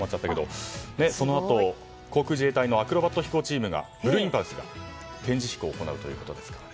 このあと、航空自衛隊のアクロバット飛行チームブルーインパルスが展示飛行を行うということで。